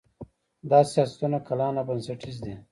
دا سیاستونه کلان او بنسټیز دي.